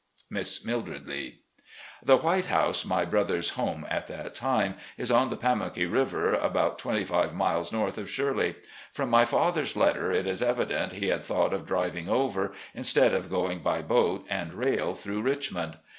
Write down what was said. "Miss Mildred Lee." The "White House," my brother's home at that time, is on the Pamunkey River, about twenty five miles north of "Shirley." From my father's letter it is e vident he had thought of driving over, instead of going by boat and rail through Richmond.